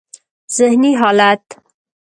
ذهني حالت: